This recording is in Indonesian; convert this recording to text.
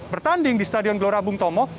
bertanding di stadion gelora bung tomo